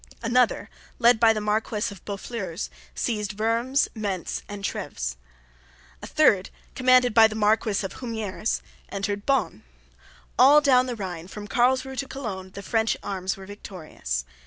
Another, led by the Marquess of Boufflers, seized Worms, Mentz, and Treves. A third, commanded by the Marquess of Humieres, entered Bonn. All down the Rhine, from Carlsruhe to Cologne, the French arms were victorious.